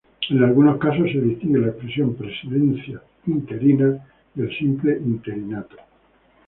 En algunos casos se distingue la expresión "presidencia interina" del simple "interinato".